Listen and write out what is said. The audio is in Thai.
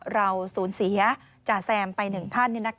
เราสูญเสียจ่าแซมไปหนึ่งท่าน